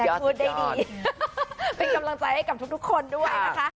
พูดได้ดีเป็นกำลังใจให้กับทุกคนด้วยนะคะ